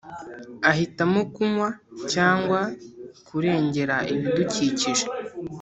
ahitemo kunywa cyangwa kurengera ibidukikije